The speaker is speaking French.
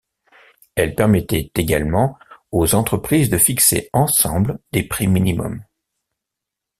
Elle permettait également aux entreprises de fixer ensemble des prix minimum.